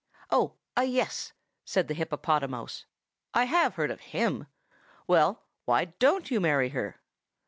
"Oh! ah! yes!" said the hippopotamouse. "I've heard of him. Well, why don't you marry her?"